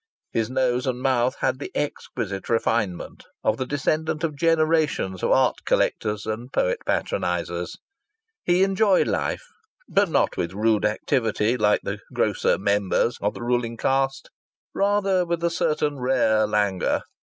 His nose and mouth had the exquisite refinement of the descendant of generations of art collectors and poet patronizers. He enjoyed life but not with rude activity, like the grosser members of the ruling caste rather with a certain rare languor.